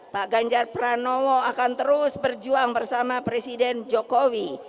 pak ganjar pranowo akan terus berjuang bersama presiden jokowi